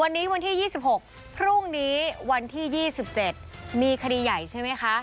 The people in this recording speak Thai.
วันนี้วันที่๒๖พรุ่งนี้วันที่๒๗มีคดีใหญ่ใช่ไหมคะ